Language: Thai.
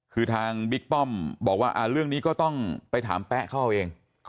คือทางบิ๊กป้อมบอกว่าเรื่องนี้ก็ต้องไปถามแป๊ะเขาเอาเอง